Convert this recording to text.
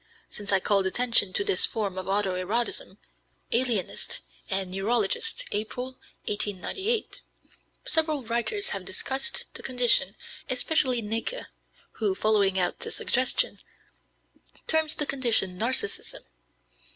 Since I called attention to this form of auto erotism (Alienist and Neurologist, April, 1898), several writers have discussed the condition, especially Näcke, who, following out the suggestion, terms the condition Narcissism.